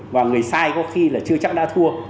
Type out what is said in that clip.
và người sai có khi là chưa chắc đã thua